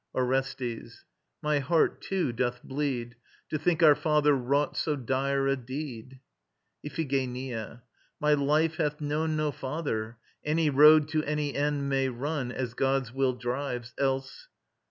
ORESTES. My heart too doth bleed, To think our father wrought so dire a deed. IPHIGENIA. My life hath known no father. Any road To any end may run, As god's will drives; else